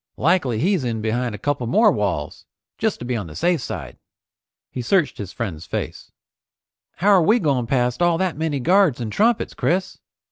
Likely he's in behind a couple more walls, just to be on the safe side." He searched his friend's face. "How are we going past all that many guards and trumpets, Chris?